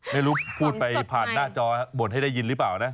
ไม่รู้พูดไปผ่านหน้าจบนให้ได้ยินหรือเปล่านะ